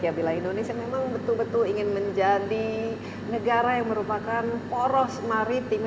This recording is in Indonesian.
ya bila indonesia memang betul betul ingin menjadi negara yang merupakan poros maritim